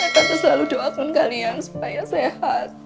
tapi selalu doakan kalian supaya sehat